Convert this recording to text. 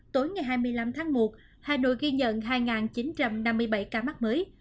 tối ngày hai mươi năm tháng một hà nội ghi nhận hai chín trăm năm mươi bảy ca mắc mới